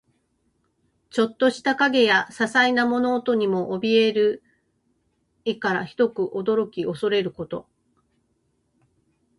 ちょっとした影やささいな物音にもおびえる意から、ひどく驚き怖れること。